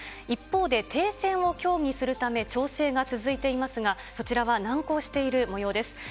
一方で停戦を協議するため、調整が続いていますが、そちらは難航しているもようです。